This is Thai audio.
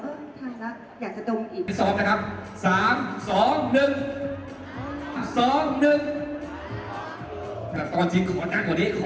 ทีเราทานเสร็จแล้วเราก็รู้สึกว่าเอ๊ะอยากจะดมอีก